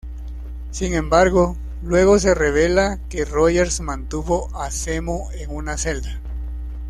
Sin embargo, luego se revela que Rogers mantuvo a Zemo en una celda.